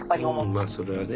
まあそれはね